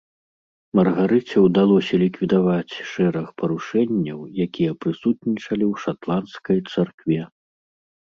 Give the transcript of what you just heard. Маргарыце ўдалося ліквідаваць шэраг парушэнняў, якія прысутнічалі ў шатландскай царкве.